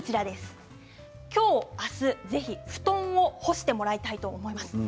今日、明日ぜひ布団を干してもらいたいと思います。